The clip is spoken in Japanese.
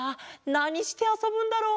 なにしてあそぶんだろう？